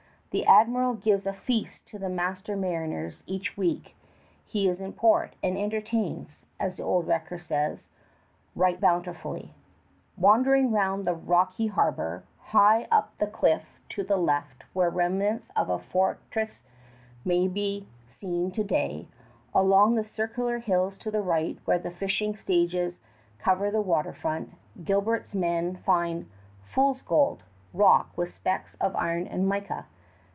The admiral gives a feast to the master mariners each week he is in port, and entertains as the old record says "right bountifully." Wandering round the rocky harbor, up the high cliff to the left where remnants of an old fortress may be seen to day, along the circular hills to the right where the fishing stages cover the water front, Gilbert's men find "fool's gold," rock with specks of iron and mica.